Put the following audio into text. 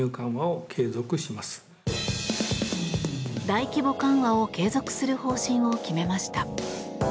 大規模緩和を継続する方針を決めました。